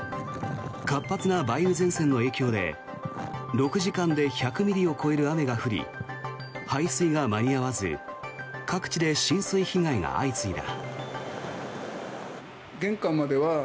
活発な梅雨前線の影響で６時間で１００ミリを超える雨が降り排水が間に合わず各地で浸水被害が相次いだ。